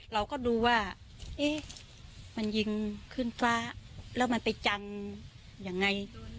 เราก็ดูว่าเอ๊ะมันยิงขึ้นฟ้าแล้วมันไปจังยังไง